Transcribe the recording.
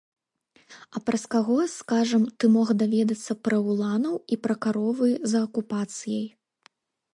А праз каго, скажам, ты мог даведацца пра уланаў і пра каровы за акупацыяй?